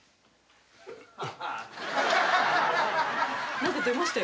何か出ましたよ。